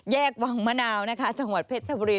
แยกวังมะนาวจังหวัดเพชรชบุรี